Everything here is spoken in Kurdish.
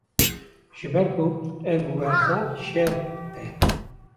ji ber ku ev werza şewb e